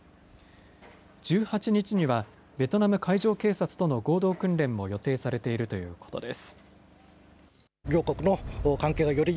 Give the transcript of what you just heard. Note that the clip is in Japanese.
１８日にはベトナム海上警察との合同訓練も予定されているということです。